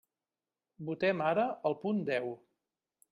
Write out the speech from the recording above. Votem ara el punt deu.